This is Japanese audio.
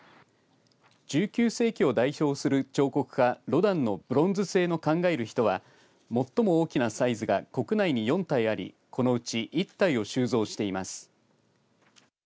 １９世紀を代表する彫刻家ロダンのブロンズ製の考える人は最も大きなサイズが国内に４体ありこのうち１体を収蔵しています。